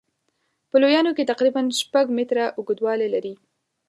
په لویانو کې تقریبا شپږ متره اوږدوالی لري.